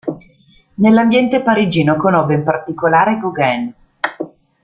Nell'ambiente parigino conobbe in particolare Gauguin.